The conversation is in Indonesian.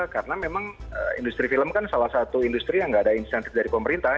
karena memang industri film kan salah satu industri yang gak ada insentif dari pemerintah